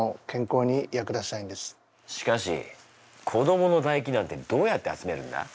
しかし子どものだ液なんてどうやって集めるんだ？